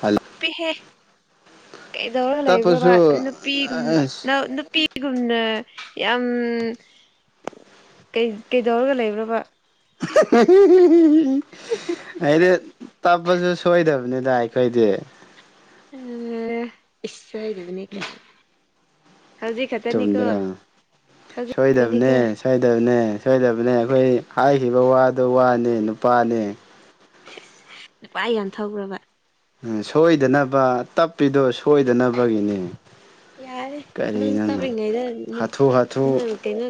Hello ꯄꯤꯍꯦ ꯀꯩꯗꯧꯔꯒ ꯂꯩꯕ꯭ꯔꯕ ꯇꯞꯄꯁꯨ ꯅꯨꯄꯤꯒꯨꯝ ꯑꯁ ꯅꯨꯄꯤ ꯁꯤꯒꯨꯝꯅ ꯌꯥꯝꯩ ꯀꯩꯗꯧꯔꯒ ꯂꯩꯕ꯭ꯔꯕ [inaudible] ꯑꯩꯗꯤ ꯇꯞꯄꯁꯨ ꯁꯣꯏꯗꯕꯅꯤꯗ ꯑꯩꯈꯣꯏꯗꯤ꯫ ꯑ ꯏꯁ ꯏꯗꯅꯦ ꯀ ꯆꯨꯝꯗꯔ꯭꯫ ꯍꯧꯖꯤ꯫ ꯁꯣꯏꯗꯕꯅꯦ ꯁꯣꯏꯗꯕꯅꯦ ꯁꯣꯏꯗꯕꯅꯦ ꯑꯩꯈꯣꯏ ꯍꯥꯏꯈꯤꯕ ꯋꯥꯗꯣ ꯋꯥꯅꯦ ꯅꯨꯄꯥꯅꯦ ꯅꯨꯄꯥ ꯌꯥꯝ ꯊꯣꯛꯕꯔ꯭ꯕ ꯎꯝ ꯁꯣꯏꯗꯅꯕ ꯇꯞꯄꯤꯗꯣ ꯁꯣꯏꯗꯅꯕꯒꯤꯅꯦ ꯌꯥꯔꯦ ꯀꯔꯤ ꯅꯪ ꯅꯪꯅ ꯇꯞꯔꯤꯉꯩꯗ ꯍꯥꯊꯨ ꯍꯥꯊꯨ ꯅꯣꯏ ꯀꯩꯅꯣ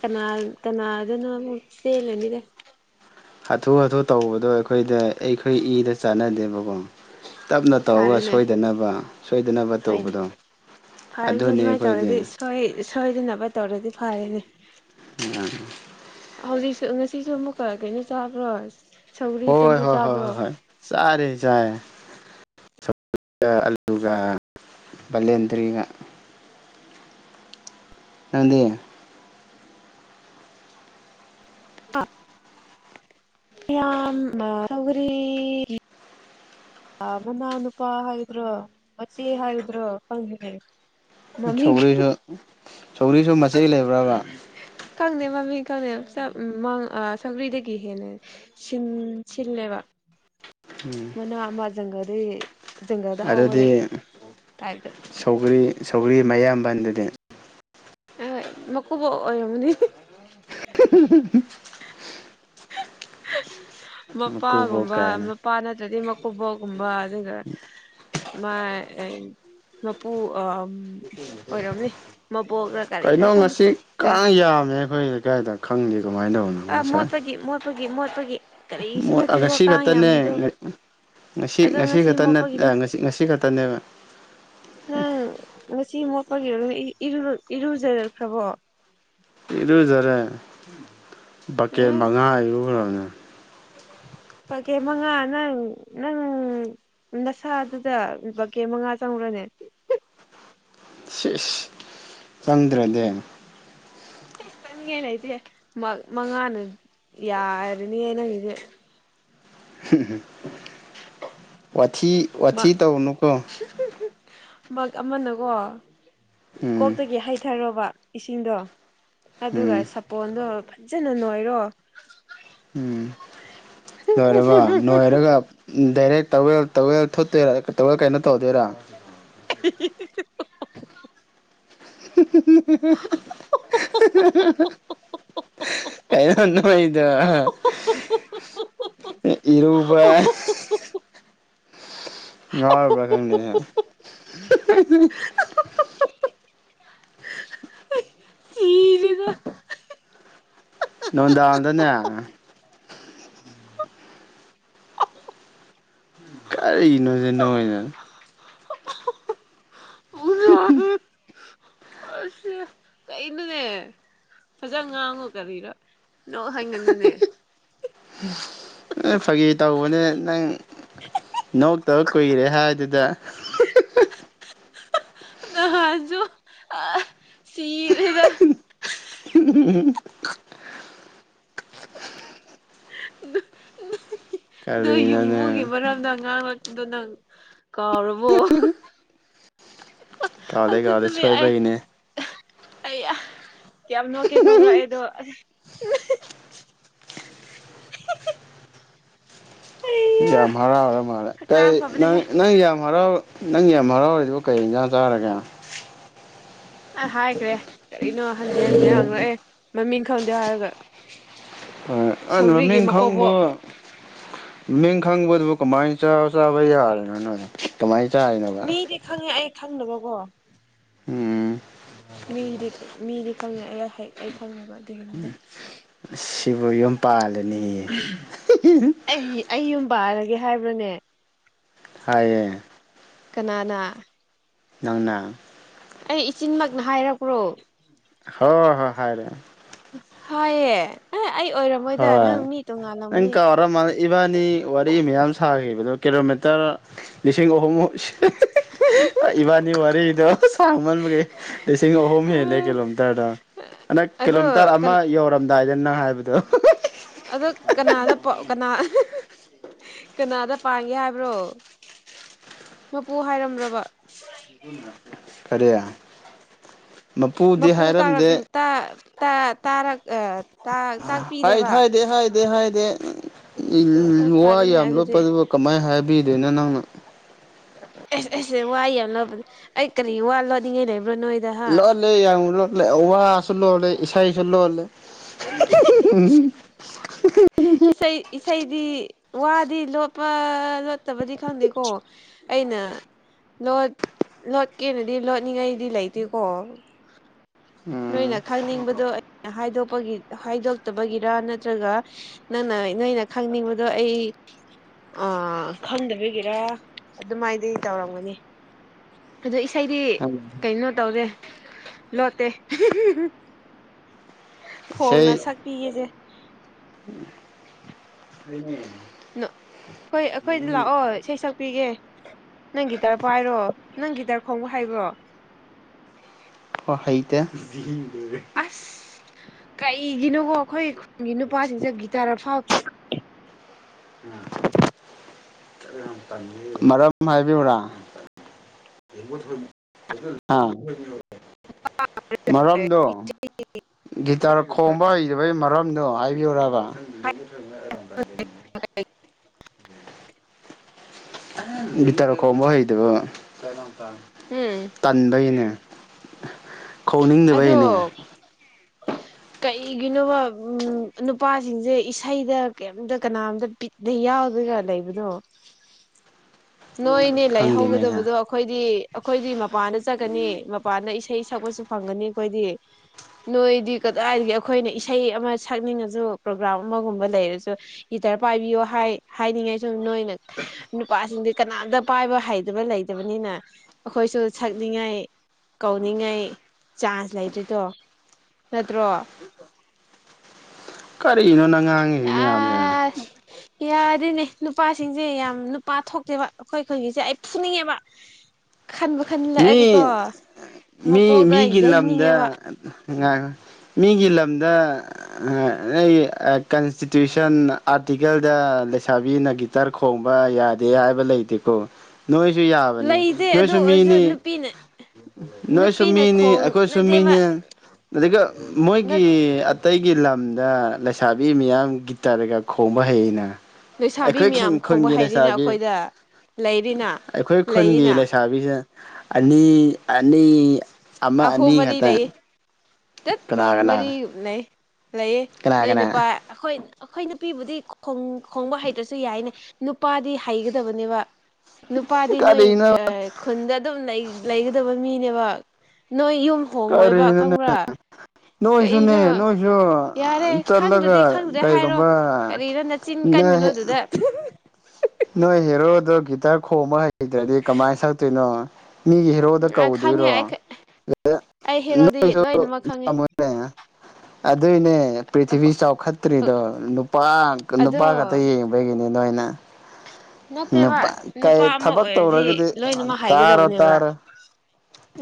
ꯀꯅꯥ ꯀꯅꯥꯗꯨꯅ ꯑꯃꯨꯛ ꯆꯦꯜꯂꯅꯤꯗ ꯍꯥꯊꯨ ꯍꯥꯊꯨ ꯇꯧꯕꯗꯣ ꯑꯩꯈꯣꯏꯗ ꯑꯩꯈꯣꯏ ꯏꯗ ꯆꯥꯟꯅꯗꯦꯕꯀꯣ ꯇꯞꯅ ꯇꯧꯔꯒ ꯐꯔꯦꯅꯦ ꯁꯣꯏꯗꯅꯕ ꯁꯣꯏꯗꯅꯕ ꯍꯣꯏꯅꯦ ꯇꯧꯕꯗꯣ ꯑꯗꯨꯅꯦ ꯑꯩꯈꯣꯏꯗꯤ ꯍꯣꯏ ꯁꯣꯏꯗꯅꯕ ꯇꯧꯔꯗꯤ ꯐꯔꯦꯅꯦ ꯎꯝ ꯍꯧꯖꯤꯛꯁꯨ ꯉꯁꯤꯁꯨ ꯑꯃꯨꯛꯀ ꯀꯩꯅꯣ ꯆꯥꯕ꯭ꯔꯣ ꯁꯧꯒ꯭ꯔꯤ ꯍꯣꯏ ꯆꯝꯐꯨꯠ ꯍꯣꯏ ꯍꯣꯏ ꯆꯥꯕ꯭ꯔꯣ ꯍꯣꯏ ꯍꯣꯏ ꯆꯥꯔꯦ ꯆꯥꯌꯦ [unintelligible] ꯑꯜꯂꯨꯒ ꯕꯂꯦꯟꯗ꯭ꯔꯤꯒ ꯅꯪꯗꯤ [unintelligible] ꯑ ꯃꯅꯥꯎꯅꯨꯄꯥ ꯍꯥꯏꯕ꯭ꯔꯣ ꯃꯆꯦ ꯍꯥꯏꯕ꯭ꯔꯣ ꯈꯪꯗꯦꯅꯦ ꯁꯧꯒ꯭ꯔꯤꯁꯨ ꯁꯧꯔꯤꯁꯨ ꯃꯆꯦ ꯂꯩꯕ꯭ꯔꯕ ꯈꯪꯗꯦ ꯃꯃꯤꯡ ꯈꯪꯗꯦ ꯁꯧꯒꯔꯤꯗꯒꯤ ꯍꯦꯟꯅ ꯁꯤꯟ ꯁꯤꯜꯂꯦꯕ ꯎꯝ ꯃꯅꯥ ꯑꯃ ꯖꯪꯒꯜꯗꯒꯤ ꯖꯪꯒꯜꯗ ꯍꯧꯋꯦ ꯑꯗꯨꯗꯤ ꯇꯥꯏꯞꯇ ꯁꯧꯒꯔꯤ ꯁꯧꯒꯔꯤ ꯃꯌꯥꯝꯕꯟꯗꯨꯗꯤ ꯍꯣꯏ ꯃꯀꯨꯕꯣꯛ ꯑꯣꯏꯔꯝꯅꯤ [unintelligible] ꯃꯀꯨꯕꯣꯛ ꯃꯄꯥꯒꯨꯝꯕ ꯀꯥꯏꯅ ꯃꯄꯥ ꯅꯠꯇ꯭ꯔꯗꯤ ꯃꯀꯣꯕꯣꯛꯒꯨꯝꯕ ꯑꯗꯨꯒ ꯃꯥꯏ ꯃꯄꯨ ꯑ ꯀꯔꯤꯔ ꯀꯩꯅꯣ ꯈꯪꯗꯦ ꯉꯁꯤ ꯀꯥꯡ ꯌꯥꯝꯃꯦ ꯈꯣꯏ ꯂꯩꯀꯥꯏꯗ ꯈꯪꯗꯦ ꯀꯃꯥꯏꯅ ꯇꯧꯕꯅꯣ ꯑꯥ ꯃꯣꯠꯄꯒꯤ ꯃꯣꯠꯄꯒꯤ ꯃꯣꯠꯄꯒꯤ ꯀꯔꯤꯁꯨ ꯃꯣꯠꯂꯒ ꯅꯠꯇꯦꯀꯣ ꯀꯥꯡ ꯑꯁꯤꯈꯛꯇꯅꯦ ꯌꯥꯝꯃꯤꯗꯣ ꯉꯁꯤ ꯑꯗꯣ ꯉꯁꯤ ꯈꯛꯇ ꯅꯠ ꯃꯣꯠꯄꯒꯤꯅꯤ ꯉꯁꯤ ꯈꯛꯇꯅꯦꯕ ꯅꯪ ꯉꯁꯤ ꯃꯣꯠꯄꯒꯤꯔ ꯏꯔꯨ ꯏꯔꯨ ꯖꯔꯛꯈ꯭ꯔꯕꯣ ꯏꯔꯨꯖꯔꯦ ꯕꯛꯀꯦꯠ ꯑꯦ ꯃꯉꯥ ꯏꯔꯨꯒꯔꯥꯃꯤ ꯕꯀꯦꯠ ꯃꯉꯥ ꯅꯪ ꯅꯪ ꯅꯁꯥꯗꯨꯗ ꯕꯛꯀꯦꯠ ꯃꯉꯥ ꯆꯪꯕꯔꯅꯦ ꯁꯤꯁ ꯆꯪꯗ꯭ꯔꯗꯤ ꯑꯁ ꯆꯪꯅꯤꯡꯉꯥꯏ ꯂꯩꯇꯦ ꯃꯛ ꯃꯉꯥꯅ ꯌꯥꯔꯅꯤ ꯅꯪꯒꯤꯗꯤ [unintelligible] [unintelligible] ꯋꯥꯊꯤ ꯋꯥꯊꯤ ꯇꯧꯅꯨꯀꯣ ꯃꯛ ꯑꯃꯅꯀꯣ ꯎꯝ ꯀꯣꯛꯇꯒꯤ ꯍꯩꯊꯔꯣꯕ ꯏꯁꯤꯡꯗꯣ ꯑꯗꯨꯒ ꯎꯝ ꯁꯥꯄꯣꯟꯗꯣ ꯐꯖꯅ ꯅꯣꯏꯔꯣ ꯎꯝ ꯂꯣꯏꯔꯕ ꯎꯝ ꯅꯣꯏꯔꯒ ꯗꯥꯏꯔꯦꯛ ꯇꯋꯦꯜ ꯇꯧꯋꯦꯜ ꯊꯣꯠꯇꯣꯏꯔꯥ ꯇꯧꯋꯦꯜ ꯀꯩꯅꯣ ꯇꯧꯗꯣꯏꯔꯥ [unintelligible] [unintelligible] ꯀꯩꯅꯣ [unintelligible] ꯏꯔꯨꯕ [unintelligible] ꯉꯥꯎꯔꯕ꯭ꯔ ꯈꯪꯗꯦꯁꯦ [unintelligible] [unintelligible] ꯅꯨꯡꯗꯥꯡꯗꯅꯦ ꯀꯔꯤꯅꯣꯁꯦ ꯅꯣꯏꯅ [unintelligible] [unintelligible] ꯀꯩꯩꯅꯣꯅꯦ ꯐꯖ ꯉꯥꯡꯉꯨ ꯀꯔꯤꯔꯥ ꯅꯣꯛꯍꯟꯒꯅꯨꯅꯦ ꯑꯦ ꯐꯒꯤ ꯇꯧꯕꯅꯦ ꯅꯪ ꯅꯣꯛꯇꯕ ꯀꯨꯏꯔꯦ ꯍꯥꯏꯗꯨꯗ ꯅꯍꯥꯟꯖꯨ ꯁꯤꯔꯦꯗ ꯎꯝ [unintelligible] ꯅꯣꯏ ꯀꯔꯤꯅꯣꯅꯦ ꯌꯨꯝꯕꯨꯒꯤ ꯃꯔꯝꯗ ꯉꯥꯡꯂꯛꯄꯗꯣ ꯅꯪ ꯀꯥꯎꯔꯕꯣ ꯀꯥꯎꯗꯩ ꯑꯗꯨ ꯀꯥꯎꯗꯩ ꯅꯨꯃꯤꯠ ꯑꯩ ꯁꯣꯏꯕꯩꯅꯦ ꯑꯩꯌꯥ ꯌꯥꯝ ꯅꯣꯛꯀꯦ ꯈꯪꯪꯕ꯭ꯔꯥ ꯑꯩꯗꯣ ꯑꯩꯌꯥ ꯌꯥꯝ ꯍꯔꯥꯎꯔꯥ ꯃꯥꯜꯂꯦ ꯀꯩ ꯍꯛꯆꯥꯡ ꯅꯪ ꯐꯕꯅꯦꯍꯦ ꯅꯪ ꯌꯥꯝ ꯍꯔꯥꯎ ꯅꯪ ꯌꯥꯝ ꯍꯔꯥꯎꯔꯤꯗꯨꯕ ꯀꯩ ꯏꯟꯖꯥꯡ ꯆꯥꯔꯒꯦ ꯑꯩ ꯍꯥꯏꯈ꯭ꯔꯦ ꯀꯔꯤꯅꯣ ꯍꯟꯖꯤꯟ ꯍꯟꯖꯤꯟ ꯍꯥꯡꯂꯛꯑꯦ ꯃꯃꯤꯡ ꯈꯪꯗꯦ ꯍꯥꯏꯔꯒ ꯍꯣꯏ ꯑꯩꯅ ꯁꯧꯒ꯭ꯔꯤꯒꯤ ꯃꯃꯤꯡ ꯈꯪꯕ ꯃꯀꯣꯕꯣꯛ ꯃꯤꯡ ꯈꯪꯕꯗꯨꯕꯨ ꯀꯃꯥꯏꯅ ꯆꯥꯕ ꯆꯥꯕ ꯌꯥꯔꯤꯅꯣꯅꯦ ꯀꯃꯥꯏꯅ ꯆꯥꯔꯤꯅꯣꯕ ꯃꯤꯗꯤ ꯈꯪꯉꯦ ꯑꯩ ꯈꯪꯗꯕꯀꯣ ꯎꯝ ꯃꯤꯗꯤ ꯃꯤꯗꯤ ꯈꯪꯉꯦ ꯑꯩ ꯍꯩ ꯑꯩ ꯈꯪꯉꯗꯕ ꯑꯗꯨꯒꯤꯅꯤꯗ ꯁꯤꯕꯨ ꯌꯨꯝ ꯄꯥꯜꯂꯅꯦꯌꯦ ꯑꯦ ꯑꯩ ꯌꯨꯝ ꯄꯜꯔꯒꯦ ꯍꯥꯏꯕ꯭ꯔꯅꯦ ꯍꯥꯏꯌꯦ ꯀꯅꯥꯅ ꯅꯪꯅ ꯑꯩ ꯏꯆꯤꯟꯃꯛꯅ ꯍꯥꯏꯔꯛꯄ꯭ꯔꯣ ꯍꯣꯏ ꯍꯣꯏ ꯍꯥꯏꯔꯦ ꯍꯥꯏꯌꯦ ꯑꯦ ꯑꯩ ꯑꯣꯏꯔꯝꯃꯣꯏꯗ ꯅꯪ ꯃꯤ ꯇꯣꯡꯉꯥꯜꯂꯝꯃꯅꯤ ꯅꯣꯃ ꯏꯕꯥꯅꯤ ꯋꯥꯔꯤ ꯃꯌꯥꯝ ꯁꯥꯈꯤꯕꯗꯣ ꯀꯤꯂꯣꯃꯤꯇꯔ ꯂꯤꯁꯤꯡ ꯑꯍꯨꯝꯃꯨꯛ ꯏꯕꯥꯅꯤ ꯋꯥꯔꯤꯗꯣ ꯁꯥꯡꯃꯟꯕꯒꯤ ꯂꯤꯁꯤꯡ ꯑꯍꯨꯝ ꯍꯦꯜꯂꯦ ꯀꯤꯂꯣꯝꯃꯤ ꯇꯔꯗ ꯅꯛ ꯑꯗꯣ ꯀꯤꯂꯣꯃꯤꯇꯔ ꯑꯃ ꯌꯧꯔꯝꯗꯥꯏꯗ ꯅꯪ ꯍꯥꯏꯕꯗꯣ ꯑꯗꯣ ꯀꯅꯥꯗ ꯀꯅꯥ ꯀꯅꯥꯗ ꯄꯥꯡꯒꯦ ꯍꯥꯏꯕ꯭ꯔꯣ ꯃꯄꯨ ꯍꯥꯏꯔꯝꯕꯔ꯭ꯕ [unintelligible] ꯀꯔꯤ ꯃꯄꯨꯗꯤ ꯃꯄꯨ ꯇꯔꯛ ꯍꯥꯏꯔꯝꯗꯦ ꯇꯥ ꯇꯥ ꯇꯥꯔꯛ ꯑꯥ ꯇꯥꯛ ꯇꯥꯛꯄꯤꯗꯦꯕ ꯑꯗꯨꯗꯤ ꯍꯥꯏꯗꯦ ꯍꯣꯏ ꯋꯥ ꯐꯔꯦꯅꯦ ꯌꯥꯝ ꯑꯗꯨꯗꯤ ꯂꯣꯠꯄꯗꯨꯕꯨ ꯀꯃꯥꯏꯅ ꯍꯥꯏꯕꯤꯗꯣꯏꯅꯣ ꯅꯪꯅ ꯑꯦꯁ ꯑꯦꯁ ꯋꯥ ꯌꯥ ꯂꯣꯕꯅꯦ ꯑꯩ ꯀꯔꯤ ꯋꯥ ꯂꯣꯠꯅꯤꯡꯉꯩ ꯂꯩꯕ꯭ꯔꯣ ꯅꯣꯏ ꯂꯣꯜꯂꯦ ꯌꯥꯝ ꯂꯣꯜꯂꯦ ꯋꯥꯁꯨ ꯂꯣꯜꯂꯦ ꯏꯁꯩꯁꯨ ꯂꯣꯜꯂꯦ [unintelligible] ꯏꯁꯩ ꯏꯁꯩꯗꯤ ꯋꯥꯗꯤ ꯂꯣꯠꯄ ꯂꯣꯠꯇꯕꯗꯤ ꯈꯪꯗꯦꯀꯣ ꯑꯩꯅ ꯂꯣꯠ ꯂꯣꯠꯀꯦꯅꯗꯤ ꯂꯣꯠꯅꯤꯡꯉꯩꯗꯤ ꯂꯩꯇꯦꯀꯣ ꯅꯣꯏꯅ ꯎꯝ ꯈꯪꯅꯤꯡꯕꯗꯣ ꯑꯩꯅ ꯍꯥꯏꯗꯣꯛꯄꯒꯤ ꯍꯥꯏꯗꯣꯛꯇꯕꯒꯤꯔ ꯅꯠꯇ꯭ꯔꯒ ꯅꯪꯅ ꯅꯣꯏꯅ ꯈꯪꯅꯤꯡꯕꯗꯣ ꯑꯩ ꯑꯥ ꯈꯪꯗꯕꯤꯒꯤꯔꯥ ꯑꯗꯨꯃꯥꯏꯗꯤ ꯇꯧꯔꯝꯒꯅꯤ ꯑꯗꯣ ꯏꯁꯩꯗꯤ ꯀꯩꯅꯣ ꯇꯧꯗꯦ ꯂꯣꯠꯇꯦ [unintelligible] ꯐꯣꯡꯅ ꯏꯁꯩ ꯁꯛꯄꯤꯒꯦꯁꯦ [inaudible] ꯑꯩꯈꯣꯏ ꯑꯩꯈꯣꯏꯗ ꯂꯥꯛꯑꯣ ꯏꯁꯩ ꯁꯛꯄꯤꯒꯦ ꯅꯪ ꯒꯤꯇꯔ ꯄꯥꯏꯔꯣ ꯅꯪꯒꯤꯇꯔ ꯈꯣꯡꯕ ꯍꯥꯏꯕ꯭ꯔꯣ ꯍꯣ ꯍꯩꯇꯦ ꯑꯁ ꯀꯩꯒꯤꯅꯣꯀꯣ ꯑꯩꯈꯣꯏ ꯈꯨꯜꯒꯤ ꯅꯨꯄꯥꯖꯤꯡꯁꯦ ꯒꯤꯇꯥꯔ ꯑꯐꯥꯎ ꯃꯔꯝ ꯍꯥꯏꯕꯤꯎ꯭ꯔꯥ ꯑꯥ ꯃꯔꯝꯗꯣ ꯒꯤꯇꯥꯔ ꯈꯣꯡꯕ ꯍꯩꯇꯕꯒꯤ ꯃꯔꯝꯗꯣ ꯍꯥꯏꯕꯤꯌꯨꯔꯕ ꯐ [unintelligible] [inaudible] ꯒꯤꯇꯔ ꯈꯣꯡꯕ ꯍꯩꯗꯕ ꯎꯝ ꯇꯟꯕꯩꯅꯦ [inaudible] ꯑꯗꯣ [inaudible] ꯀꯩꯒꯤꯅꯣꯕ ꯎ ꯅꯨꯄꯥꯁꯤꯡꯁꯦ ꯏꯁꯩꯗ ꯀꯩꯝꯇ ꯀꯅꯥꯝꯇ ꯅ ꯌꯥꯎꯗꯒ ꯂꯩꯕꯗꯣ ꯅꯣꯏꯅꯦ ꯈꯪꯗꯦꯅꯦ ꯂꯥꯏꯍꯧꯒꯗꯕꯗꯣ꯫ ꯑꯩꯈꯣꯏꯗꯤ ꯑꯩꯈꯣꯏꯗꯤ ꯃꯄꯥꯟꯗ ꯆꯠꯀꯅꯤ ꯃꯄꯥꯟꯗ ꯏꯁꯩ ꯁꯛꯄꯁꯨ ꯐꯪꯒꯅꯤ ꯑꯩꯈꯣꯏꯗꯤ ꯅꯣꯏꯗꯤ ꯀꯗꯥꯋꯥꯏꯗꯒꯤ ꯑꯩꯈꯣꯏꯅ ꯏꯁꯩ ꯑꯃ ꯁꯛꯅꯤꯡꯉꯁꯨ ꯄ꯭ꯔꯣꯒ꯭ꯔꯥꯝ ꯑꯃꯒꯨꯝꯕ ꯂꯩꯔꯁꯨ ꯍꯤꯇꯔ ꯄꯥꯏꯕꯤꯌꯣ ꯍꯥꯏ ꯍꯥꯏꯅꯤꯡꯉꯥꯏ ꯁꯨꯝ ꯅꯣꯏꯅ ꯅꯨꯄꯥꯁꯤꯡꯗꯤ ꯀꯅꯥꯗ ꯄꯥꯏꯕ ꯍꯩꯗꯕ ꯂꯩꯇꯕꯅꯤꯅ ꯑꯩꯈꯣꯏꯁꯨ ꯁꯛꯅꯤꯡꯉꯥꯏ ꯀꯧꯅꯤꯡꯉꯥꯏ ꯆꯥꯟꯁ ꯂꯩꯇ꯭ꯔꯤꯗꯣ ꯅꯠꯇ꯭ꯔꯣ꯫ ꯀꯔꯤꯅꯣ ꯅꯪ [unintelligible] ꯉꯥꯡꯉꯤꯁꯤ ꯃꯌꯥꯝꯁꯦ ꯌꯥꯗꯣꯏꯅꯦ ꯅꯨꯄꯥꯁꯤꯡꯁꯦ ꯌꯥꯝ ꯅꯨꯄꯥ ꯊꯣꯛꯇꯦꯕ ꯑꯩꯈꯣꯏ ꯑꯩꯈꯣꯏꯒꯤꯁꯦ ꯑꯩ ꯐꯨꯅꯤꯡꯉꯦꯕ ꯈꯟꯕ ꯈꯟꯂꯛꯑꯗꯤꯀꯣ ꯃꯤ ꯃꯀꯣꯛꯗ ꯌꯩꯅꯤꯡꯉꯦꯕ ꯉꯥꯏ ꯃꯤꯒꯤ ꯂꯝꯗ꯫ ꯅ ꯀꯟꯁꯇꯤꯇ꯭ꯌꯨꯁꯟ ꯑꯥꯔꯇꯤꯀꯜꯗ ꯂꯩꯁꯥꯕꯤꯅꯈꯤ ꯇꯔ ꯈꯣꯡꯕ ꯌꯥꯗꯦ ꯍꯥꯏꯕ ꯂꯩꯇꯦꯀꯣ ꯅꯣꯏꯁꯨ ꯌꯥꯕꯅꯤ ꯅꯣꯏꯁꯨ ꯃꯤꯅꯤ꯫ ꯄꯅ ꯅꯣꯏꯁꯨ ꯃꯤꯅꯤ ꯑꯩꯈꯣꯏꯁꯨꯨꯝ ꯃꯤꯅꯦ ꯑꯗꯨꯒ ꯃꯣꯏꯒꯤ ꯑꯇꯩꯒꯤ ꯂꯝꯗ ꯂꯩꯁꯥꯕꯤ ꯃꯤꯌꯥꯝ ꯒꯤꯇꯔꯒ ꯈꯣꯡꯕ ꯍꯩꯩꯅ ꯂꯩꯁꯥꯕꯤ ꯑꯩꯈꯣꯏ ꯃꯌꯥꯝ ꯈꯣꯡꯕ ꯈꯨꯟꯒꯤ ꯍꯩꯔꯤꯅ ꯂꯩꯁꯥꯕꯤ ꯑꯩꯈꯣꯏꯗ ꯂꯩꯔꯤꯅ ꯑꯩꯈꯣꯏ ꯈꯨꯟꯒꯤ ꯂꯩꯌꯦꯅ ꯂꯩ ꯆꯥꯕꯤꯁ ꯑꯅꯤ ꯑꯅꯤ ꯑꯃ ꯑꯅꯤ ꯈꯛꯇꯪ ꯗꯠ ꯃꯔꯤ ꯂꯩ ꯂꯩꯌꯦ ꯀꯅꯥ ꯅꯣꯏ ꯀꯅꯥ ꯅꯨꯄꯥ ꯑꯩꯈꯣꯏ ꯑꯩꯈꯣꯏ ꯅꯨꯄꯤꯕꯨꯗꯤ ꯈꯣꯡꯕ ꯍꯩꯇ꯭ꯔꯁꯨ ꯌꯥꯏꯅꯦ ꯅꯨꯄꯥꯗꯤ ꯍꯩꯒꯗꯕꯅꯦꯕ꯫ ꯅꯨꯄꯥꯗꯤ ꯅꯣꯏ ꯀꯔꯤꯅꯣ ꯈꯨꯟꯗ ꯑꯗꯨꯝ ꯂꯩꯒꯗꯕ ꯃꯤꯅꯦꯕ ꯅꯣꯏ ꯌꯨꯝ ꯍꯣꯡꯉꯣꯏꯕ ꯀꯔꯤꯅꯣꯅꯦ ꯈꯪꯕ꯭ꯔꯥ ꯅꯣꯏꯁꯨꯅꯦ ꯀꯩꯅꯣ ꯅꯣꯏꯁꯨ ꯌꯥꯔꯦ ꯆꯠꯂꯒ ꯈꯪꯗ꯭ꯔꯗꯤ ꯀꯩꯒꯨꯝꯕ꯫ ꯆꯤꯟ ꯀꯟꯒꯅꯨ ꯅꯣꯏ ꯑꯗꯨꯗ [inaudible] ꯅꯣꯏ ꯍꯦꯔꯣꯗꯣ ꯒꯤꯇꯥꯔ ꯈꯣꯡꯕ ꯍꯩꯗ꯭ꯔꯗꯤ ꯀꯃꯥꯏꯅ ꯁꯛꯇꯣꯏꯅꯣ ꯃꯤꯒꯤ ꯈꯪꯉꯦ ꯑꯩ ꯑꯩ ꯍꯦꯔꯣꯗꯤ ꯂꯣꯏꯅꯃꯛ ꯈꯪꯉꯦ [unintelligible] ꯑꯗꯨꯏꯅꯦ ꯄ꯭ꯔꯤꯊꯤꯕꯤ ꯆꯥꯎꯈꯠꯇ꯭ꯔꯤꯗꯣ ꯅꯨꯄꯥ ꯑꯗꯣ ꯅꯨꯄꯥ ꯈꯛꯇ ꯌꯦꯡꯕ ꯕꯒꯅꯦ ꯅꯣꯏꯅ ꯅꯠꯇꯦꯕ ꯅꯨꯄꯥ ꯀꯩ ꯅꯨꯄꯥ ꯑꯃ ꯊꯕꯛ ꯑꯣꯏꯔꯗꯤ ꯇꯧꯔꯒꯗꯤ ꯂꯣꯏꯅꯃꯛ ꯇꯥꯔꯣ ꯍꯥꯏꯒꯗꯕꯅꯦꯕ ꯇꯥꯔꯣ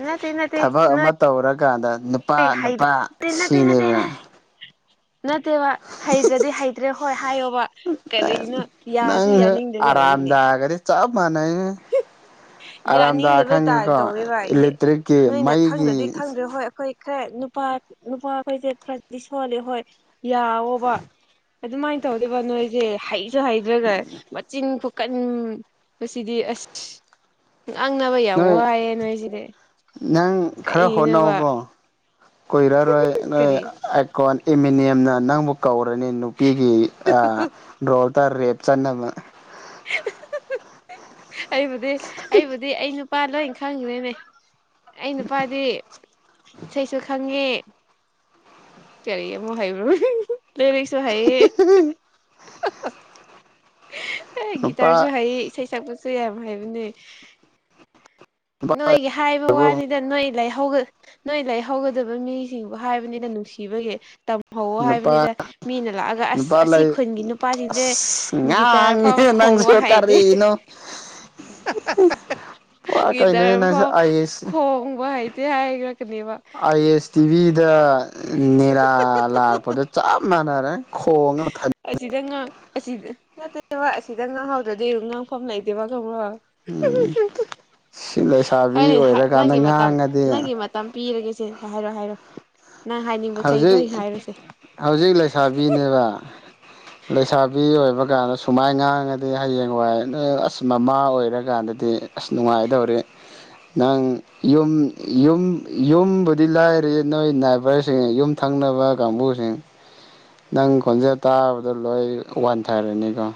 ꯅꯠꯇꯦ ꯅꯠꯇꯦ ꯊꯕꯛ ꯅꯣꯏ ꯑꯃ ꯇꯧꯔꯀꯥꯟꯗ ꯅꯨꯄꯥ ꯅꯨꯄꯥ ꯅꯠꯇꯦ ꯅꯠꯇꯦ ꯅꯠꯇꯦ ꯁꯤꯅꯦꯕ ꯅꯠꯇꯦꯕ ꯍꯩꯇ꯭ꯔꯗꯤ ꯍꯩꯇ꯭ꯔꯦ ꯍꯣꯏ ꯍꯥꯏꯌꯣꯕ ꯀꯔꯤꯅꯣ ꯌꯥꯁꯤ ꯌꯥꯅꯤꯡꯗꯦꯗꯔꯤꯅꯦ꯫ ꯆꯥꯞ ꯃꯥꯅ ꯑꯔꯥꯝꯗꯥꯔ ꯌꯥꯅꯤꯡꯗꯕ ꯇꯥꯏ ꯈꯪꯉꯤꯀꯣ ꯇꯧꯔꯤꯕ ꯏꯂꯦꯛꯇ꯭ꯔꯤꯛꯀꯤ ꯅꯣꯏꯅ ꯃꯩꯒꯤ ꯈꯪꯗ꯭ꯔꯗꯤ ꯈꯪꯗ꯭ꯔꯦ ꯍꯣꯏ ꯑꯩꯈꯣꯏ ꯅꯨꯄꯥ ꯅꯨꯄꯥ ꯑꯩꯈꯣꯏꯁꯦ ꯈꯔꯥ ꯔꯗꯤ ꯁꯣꯜꯂꯤꯦ ꯍꯣꯏ ꯌꯥꯋꯣꯕ ꯑꯗꯨꯃꯥꯏꯅ ꯇꯧꯔꯤꯕ ꯅꯣꯏꯁꯦ ꯍꯩꯁꯨ ꯍꯩ ꯑꯗꯨꯒ ꯃꯆꯤꯟ ꯈꯣꯀꯟꯕꯁꯤꯗꯤ ꯑꯁ ꯉꯥꯡꯅꯕ ꯌꯥꯝ ꯅꯣꯏ ꯋꯥꯏꯑꯦ ꯅꯣꯏꯁꯤꯗꯤ꯫ ꯅꯪ ꯈꯔ ꯀꯛꯏꯅꯣꯕ ꯍꯣꯠꯅꯧꯀꯣ ꯀꯨꯏꯔꯔꯣꯏ ꯅꯣꯏ꯫ ꯀꯔꯤ ꯀꯣꯟ ꯑꯦꯃꯤꯅꯤꯌꯝꯅ ꯅꯪꯕꯨ ꯀꯧꯔꯅꯤ ꯅꯨꯄꯤꯒꯤ ꯗꯣꯜ ꯇꯔ ꯔꯦꯞꯁ ꯑꯟꯅ ꯑꯩꯕꯨꯗꯤ ꯑꯩꯕꯨꯗꯤ ꯑꯩ ꯅꯨꯄꯥ ꯂꯣꯏ ꯈꯪꯗ꯭ꯔꯦꯅꯦ ꯑꯩ ꯅꯨꯄꯥꯗꯤ ꯏꯁꯩꯁꯨ ꯈꯪꯉꯦ ꯀꯔꯤꯑꯃꯨꯛ ꯍꯩꯕ꯭ꯔꯣ ꯂꯩꯔꯤꯛꯁꯨ ꯍꯥꯏꯌꯦ ꯎꯝ ꯑꯦ ꯒꯤꯇꯥꯔꯁꯨ ꯅꯨꯄꯥ ꯍꯥꯏꯌꯦ ꯏꯁꯩ ꯁꯛꯄꯁꯨ ꯌꯥꯝ ꯍꯥꯏꯕꯅꯦ ꯅꯨꯄꯥ ꯅꯣꯏꯒꯤ ꯍꯥꯏꯕ ꯂꯩꯔꯕꯣ ꯋꯥꯅꯤꯗ ꯅꯣꯏ ꯂꯩꯍꯧ ꯅꯣꯏ ꯂꯩꯍꯧꯒꯗꯕ ꯃꯤꯁꯤꯡꯕꯨ ꯍꯥꯏꯕꯅꯤꯅ ꯅꯨꯡꯁꯤꯕꯒꯤ ꯍꯧꯋꯣ ꯅꯨꯄꯥ ꯍꯥꯏꯕꯅꯤꯗ ꯃꯤꯅ ꯂꯥꯛꯑꯒ ꯑꯁ ꯅꯨꯄꯥ ꯑꯁꯤ ꯂꯩ ꯈꯨꯟꯒꯤ ꯅꯨꯄꯥꯁꯤꯡꯁꯦ ꯒꯤꯇꯥꯔ ꯐꯥꯎꯕ ꯈꯣꯡ ꯁꯔ ꯀꯔꯤꯅꯣ ꯄꯨꯔꯥ ꯀꯩꯅꯣꯅꯦ ꯒꯤꯇꯔ ꯅꯪꯁꯨ ꯐꯥꯎ ꯑꯥꯏ ꯑꯦꯁ ꯈꯣꯡꯕ ꯍꯥꯏꯇꯦ ꯍꯥꯏꯔꯛꯀꯅꯦꯕ ꯑꯁ ꯇꯤꯚꯤꯗ ꯅꯅꯤꯔꯥ ꯂꯥꯛꯄꯗ ꯆꯞ ꯃꯥꯟꯅꯔꯦ ꯈꯣꯡ ꯑꯃ ꯊ ꯑꯁꯤꯗ ꯉꯥꯡ ꯑꯁꯤꯗ ꯅꯠꯇꯦꯕ ꯑꯁꯤꯗ ꯉꯥꯡꯍꯧꯗ꯭ꯔꯗꯤ ꯉꯥꯡꯐꯝ ꯂꯩꯏꯇꯦꯕ ꯈꯪꯕꯔꯥ ꯎꯝ ꯁꯤ ꯂꯩꯁꯥꯕꯤ ꯑꯣꯏꯔꯀꯥꯟꯗ ꯉꯥꯡꯉꯗꯤ ꯇꯝꯄꯤꯔꯒꯦꯁꯦ ꯍꯥꯏꯔꯣ ꯍꯥꯏꯔꯣ ꯅꯪ ꯍꯥꯏꯅꯤꯡꯕ ꯈꯩꯂꯣꯏ ꯍꯥꯏꯔꯣꯁꯦ ꯕꯤꯅꯦꯕ ꯂꯩꯁꯥꯕꯤ ꯑꯣꯏꯕ ꯀꯥꯟꯗ ꯁꯨꯃꯥꯏ ꯉꯥꯡꯉꯗꯤ ꯍꯌꯦꯡꯋꯥꯏ ꯅꯣꯏ ꯑꯁ ꯃꯃꯥ ꯑꯣꯏꯔꯀꯥꯟꯗꯗꯤ ꯑꯁ ꯅꯨꯡꯉꯥꯏꯗꯧꯔꯦ ꯅꯪ ꯌꯨꯝ ꯌꯨꯝ ꯌꯨꯝꯕꯨꯗꯤ ꯂꯥꯏꯔꯤ ꯅꯣꯏ ꯅꯥꯏꯕꯔꯁ ꯌꯨꯝ ꯊꯪꯅꯕ ꯀꯥꯡꯕꯨꯁꯤꯡ ꯅꯪ ꯈꯣꯟꯖꯦꯜ ꯇꯥꯕꯗꯣ ꯂꯣꯏ ꯋꯥꯟꯊꯔꯅꯤꯀꯣ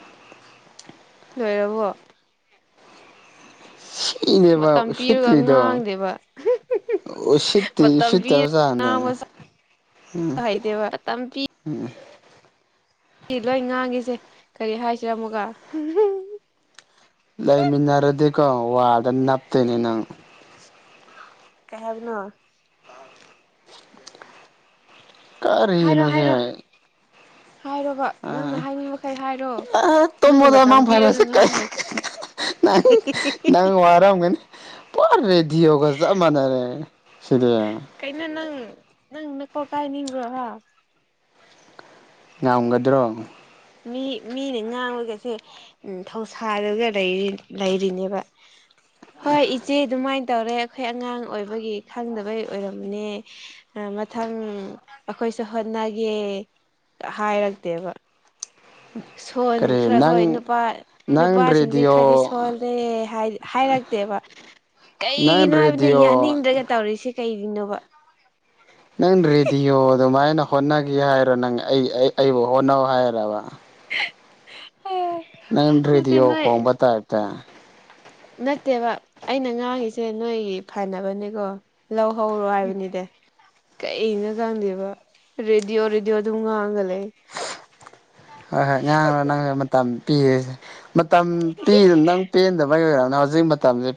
ꯂꯣꯏꯔꯕꯣ ꯁꯤꯅꯦꯕ ꯃꯇꯝ ꯄꯤꯔꯒ ꯁꯇꯔꯤꯔꯤꯗꯣ ꯉꯥꯡꯗꯦꯕ ꯑꯣ ꯁꯤꯠꯇꯤ ꯃꯇꯝ ꯁꯤꯠꯇꯕꯖꯥꯗꯩꯅ ꯀꯩꯗꯦꯕ ꯇꯄꯤꯤ ꯎꯝ ꯁꯤ ꯂꯣꯏ ꯉꯥꯡꯉꯤꯁꯦ ꯀꯔꯤ ꯍꯥꯏꯁꯤꯔꯝꯃꯨꯒ ꯂꯩꯃꯤꯟꯅꯔꯗꯤꯀꯣ ꯋꯥꯗ ꯅꯞꯇꯣꯏꯅꯦ ꯅꯪ ꯀꯩ ꯍꯥꯏꯕꯅꯦ ꯀꯔꯤꯅꯣꯁꯦ ꯍꯥꯏꯔꯕ ꯑ ꯅꯪꯅ ꯃꯇꯝ ꯇꯣꯃꯗꯃꯥꯡ ꯄꯤꯔꯒ ꯐꯔꯁꯨꯦ ꯀꯥꯏ ꯉꯥꯡꯕ ꯍꯩ ꯅꯡ [unintelligible] ꯅꯪ ꯋꯥꯝꯒꯅꯤ ꯄꯨꯔꯥ ꯔꯦꯗꯤꯌꯑꯣꯒꯖ ꯃꯅꯔ ꯁꯤꯔꯤ ꯀꯩꯅꯩꯅ ꯅꯪ ꯅꯪ ꯅ ꯀꯣ ꯀꯥꯏ ꯅꯤꯡ꯭ꯔꯣꯋꯥ ꯉꯝꯒꯗ꯭ꯔꯣ ꯃꯤ ꯃꯤꯅ ꯉꯥꯡꯕꯒꯁꯦ ꯊꯧꯁꯥꯔꯒ ꯂꯩꯔꯤꯅꯦꯕ ꯍꯣꯏ ꯏꯆꯦ ꯑꯗꯨꯃꯥꯏꯅ ꯇꯧꯔꯦ ꯑꯩꯈꯣꯏ ꯑꯉꯥꯡ ꯑꯣꯏꯕꯒꯤ ꯈꯪꯗꯕꯩ ꯑꯣꯏꯔꯝꯅꯦ ꯃꯊꯪ ꯑꯩꯈꯣꯏꯁꯨ ꯍꯣꯠꯅꯒꯦ ꯍꯥꯏꯔꯛꯇꯦꯕ ꯁꯣꯟ ꯀꯔꯤ ꯈꯔ ꯍꯣꯏ ꯅꯪ ꯅꯨꯄꯥ ꯅꯪ ꯅꯨꯄꯥꯁꯤꯡꯁꯦ ꯈꯔꯗꯤ ꯔꯦꯗꯤꯑꯣ ꯁꯣꯜꯂꯦ ꯍꯥꯏꯔꯛꯇꯦꯕ [unintelligible] ꯅꯪ ꯀꯩꯒꯤꯅꯣ ꯍꯥꯏꯕꯅ ꯔꯦꯗꯤꯑꯣ ꯌꯥꯅꯤꯡꯗ꯭ꯔꯒ ꯇꯧꯔꯤꯁꯦ ꯀꯩꯒꯤꯅꯣꯕ ꯅꯪ ꯔꯦꯗꯤꯑꯣ ꯑꯗꯨꯃꯥꯏꯅ ꯍꯣꯠꯅꯒꯦ ꯍꯥꯏꯔꯣ ꯅꯪ ꯑꯩ ꯑꯩ ꯑꯩꯕꯨ ꯍꯣꯠꯅꯧ ꯍꯥꯏꯔꯕ ꯑꯣ ꯅꯪ꯭ꯔꯤ ꯑꯗꯨ ꯌꯣ ꯍꯣꯡꯕꯠꯇ ꯑꯇ ꯅꯠꯇꯦꯕ ꯑꯩꯅ ꯉꯥꯡꯉꯤꯁꯦ ꯅꯣꯏꯒꯤ ꯐꯅꯕꯅꯦꯀꯣ ꯂꯧꯍꯔꯣ ꯍꯥꯏꯕꯅꯤꯗ ꯀꯩꯅ ꯉꯥꯡꯗꯦꯕ ꯔꯦꯗꯤꯑꯣ ꯔꯦꯗꯤꯑꯣ ꯑꯗꯨꯝ ꯉꯥꯡꯒ ꯂꯩ ꯑ ꯍꯥꯏ ꯉꯥꯡꯂꯦ ꯅꯪ ꯃꯇꯝ ꯄꯤꯔꯤꯁꯦ ꯃꯇꯝ ꯄꯤꯗꯅ ꯅꯪ ꯄꯦꯟꯗꯕꯒꯤ ꯑꯣꯏꯔꯕꯅ ꯍꯧꯖꯤꯛ ꯃꯇꯝꯁꯦ